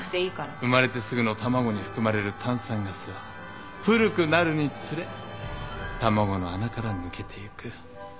生まれてすぐの卵に含まれる炭酸ガスは古くなるにつれ卵の穴から抜けてゆく。